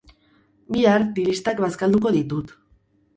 Bihar, dilistak bazkalduko ditut